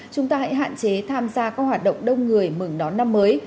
chúng ta hãy hạn chế tham gia các hoạt động đông người mừng đón năm mới